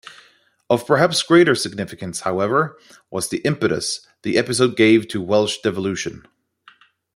Of perhaps greater significance, however, was the impetus the episode gave to Welsh devolution.